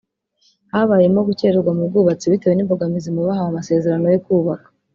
Habayemo gukererwa mu bwubatsi bitewe n’imbogamizi mu bahawe amasezerano yo kubaka